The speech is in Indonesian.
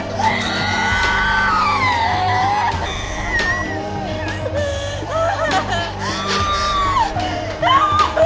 tarik raffa sepanjangnya